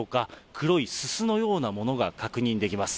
黒いすすのようなものが確認できます。